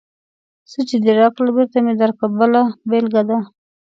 څه چې دې راکړل، بېرته مې درکړل بله بېلګه ده.